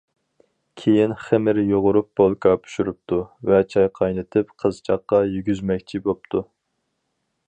كېيىن خېمىر يۇغۇرۇپ بولكا پىشۇرۇپتۇ ۋە چاي قاينىتىپ قىزچاققا يېگۈزمەكچى بوپتۇ.